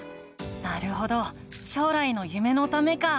なるほど将来の夢のためか。